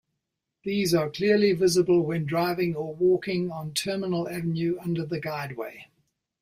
These are clearly visible when driving or walking on Terminal Avenue under the guideway.